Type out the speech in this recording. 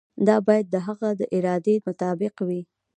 دا باید د هغه د ارادې مطابق وي.